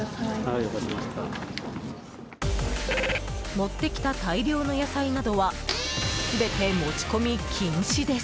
持ってきた大量の野菜などは全て持ち込み禁止です。